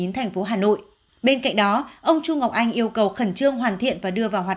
thành phố hà nội bên cạnh đó ông chu ngọc anh yêu cầu khẩn trương hoàn thiện và đưa vào hoạt